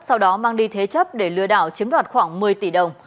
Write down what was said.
sau đó mang đi thế chấp để lừa đảo chiếm đoạt khoảng một mươi tỷ đồng